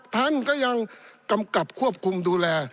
ท่านก็ยังกำกับควบคุมดูแล